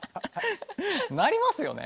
なりますよね。